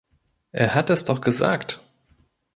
Er hat es doch gesagt.